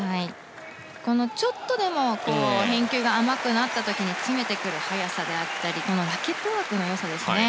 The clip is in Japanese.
ちょっとでも返球が甘くなった時に詰めてくる速さだったりラケットワークの良さですね。